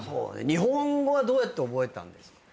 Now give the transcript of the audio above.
日本語はどうやって覚えたんですか？